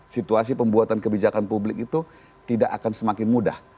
situasi pembuatan kebijakan publik itu tidak akan semakin mudah